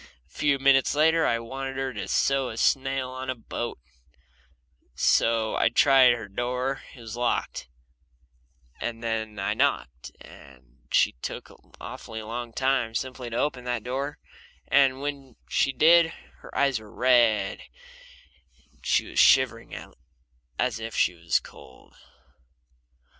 A few minutes later I wanted her to sew a sail on a boat, so I tried her door and it was locked, and then I knocked and she took an awfully long time simply to open that door, and when she did her eyes were red and she was shivering as if she was cold.